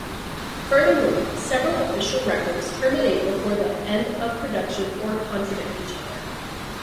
Furthermore, several official records terminate before the end of production or contradict each other.